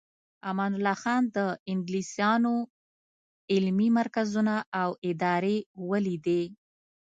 امان الله خان د انګلیسانو علمي مرکزونه او ادارې ولیدې.